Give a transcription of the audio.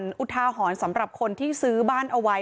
อุทาหรณ์สำหรับคนที่ซื้อบ้านเอาไว้